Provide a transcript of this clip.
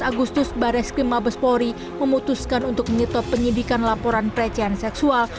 pada dua belas agustus bares kung mabespori memutuskan untuk menyetop penyidikan lebaran utama dan pembunuhan